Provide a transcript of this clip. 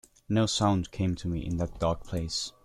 No sound came to me in that dark place.